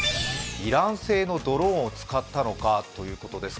イラン製のドローンを使ったのかということです。